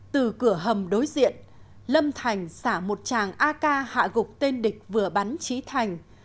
từ cửa hầm đối diện lâm thành xả một chàng ak hạ gục tên địch vừa bắn trí thành